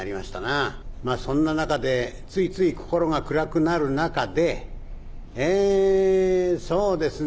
そんな中でついつい心が暗くなる中でえそうですね